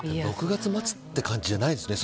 ６月末って感じじゃないですね。